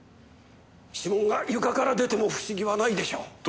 指紋が床から出ても不思議はないでしょう。